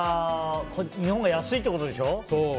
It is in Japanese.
日本が安いってことでしょ。